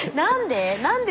何で？